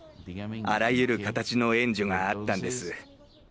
あらゆる形の援助があったんです。